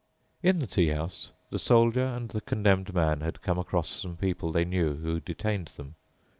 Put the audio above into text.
In the tea house the Soldier and the Condemned Man had come across some people they knew who detained them.